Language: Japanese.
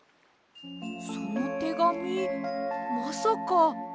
そのてがみまさか。